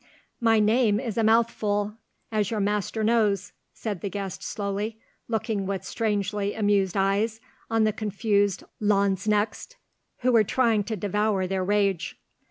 "My name is a mouthful, as your master knows," said the guest, slowly, looking with strangely amused eyes on the confused lanzknechts, who were trying to devour their rage.